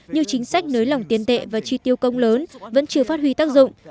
như chính sách nới lỏng tiền tệ và chi tiêu công lớn vẫn chưa phát huy tác dụng